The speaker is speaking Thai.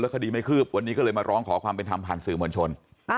คดีไม่คืบวันนี้ก็เลยมาร้องขอความเป็นธรรมผ่านสื่อมวลชน